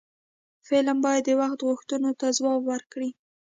فلم باید د وخت غوښتنو ته ځواب ورکړي